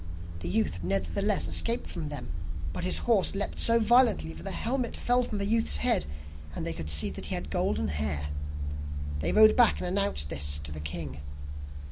The youth nevertheless escaped from them, but his horse leapt so violently that the helmet fell from the youth's head, and they could see that he had golden hair. They rode back and announced this to the king.